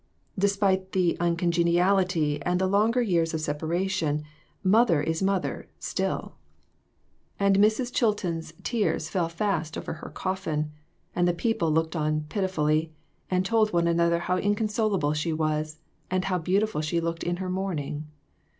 Despite the uncongeniality and the long years of separa tion, mother is mother, still ; and Mrs. Chilton's COMPLICATIONS. 359 tears fell fast over her coffin ; and the people looked on pitifully, and told one another how inconsolable she was, and how beautiful she looked in her mourning.